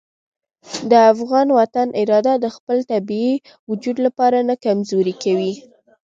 د افغان وطن اراده د خپل طبیعي وجود لپاره نه کمزورې کوي.